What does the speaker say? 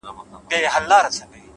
د وخت درناوی د ژوند درناوی دی؛